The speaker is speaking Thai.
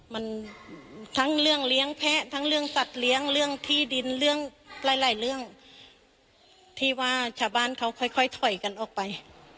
มันทั้งเรื่องเลี้ยงแพะทั้งเรื่องสัตว์เลี้ยงเรื่องที่ดินเรื่องหลายเรื่องที่ว่าชาวบ้านเขาค่อยถอยกันออกไป